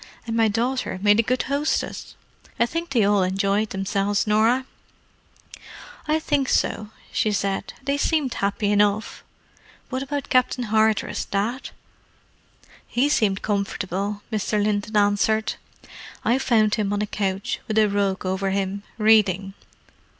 "And my daughter made a good hostess. I think they all enjoyed themselves, Norah." "I think so," said she. "They seemed happy enough. What about Captain Hardress, Dad?" "He seemed comfortable," Mr. Linton answered. "I found him on a couch, with a rug over him, reading.